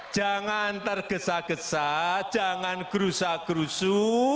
jangan tergesa gesa jangan gerusa gerusu